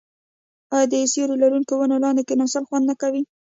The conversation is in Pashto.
آیا د سیوري لرونکو ونو لاندې کیناستل خوند نه کوي؟